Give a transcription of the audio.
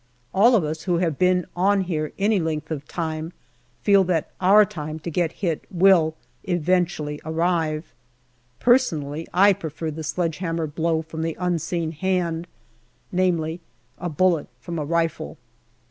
All of us who have been on here any length of time feel that our time to get hit will eventually arrive. Personally, I prefer the sledge hammer blow from the unseen hand namely, a bullet from a rifle.